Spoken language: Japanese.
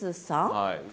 はい。